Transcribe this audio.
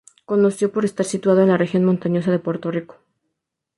Conocido por estar situado en la región montañosa de Puerto Rico.